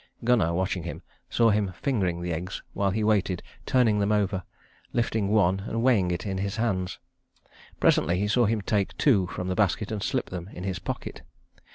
Gunnar, watching him, saw him fingering the eggs while he waited, turning them over, lifting one and weighing it in his hands. Presently he saw him take two from the basket and slip them in his pocket.